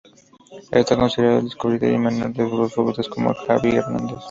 Está considerado el descubridor y mentor de futbolistas como Xavi Hernández.